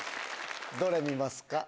どれ見ますか？